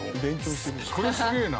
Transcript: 「これすげえな。